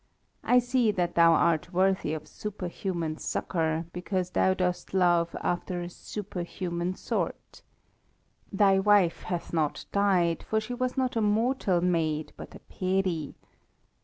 I see that thou art worthy of superhuman succour, because thou dost love after a superhuman sort. Thy wife hath not died, for she was not a mortal maid, but a peri.